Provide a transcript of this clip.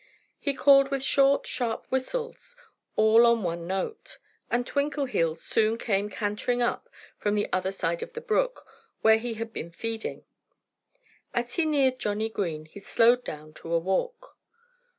He called with short, sharp whistles all on one note. And Twinkleheels soon came cantering up from the other side of the brook, where he had been feeding. As he neared Johnnie Green he slowed down to a walk.